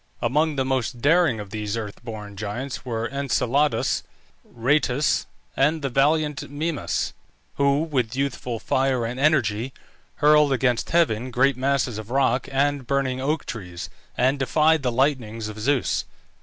Among the most daring of these earth born giants were Enceladus, Rhoetus, and the valiant Mimas, who, with youthful fire and energy, hurled against heaven great masses of rock and burning oak trees, and defied the lightnings of Zeus.